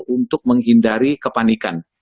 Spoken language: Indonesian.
untuk menghindari kepanikan